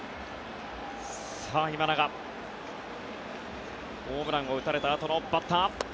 今永ホームランを打たれたあとのバッター。